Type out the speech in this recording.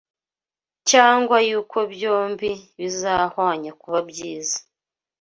cyangwa yuko byombi bizahwanya kuba byiza